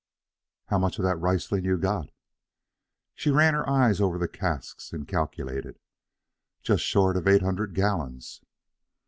"How much of that Riesling you got?" She ran her eyes over the casks and calculated. "Just short of eight hundred gallons."